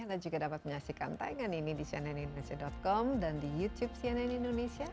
anda juga dapat menyaksikan tayangan ini di cnnindonesia com dan di youtube cnn indonesia